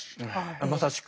まさしく。